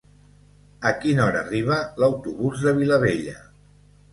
A quina hora arriba l'autobús de Vilabella?